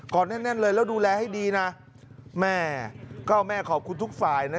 แน่นแน่นเลยแล้วดูแลให้ดีนะแม่ก็แม่ขอบคุณทุกฝ่ายนะ